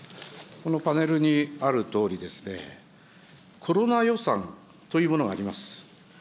このパネルにあるとおりですね、コロナ予算というものがあります。